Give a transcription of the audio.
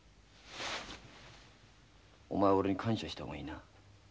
お前俺に感謝した方がいいな。